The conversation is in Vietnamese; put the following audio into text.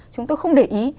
chúng tôi không để ý